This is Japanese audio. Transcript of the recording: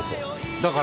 だから？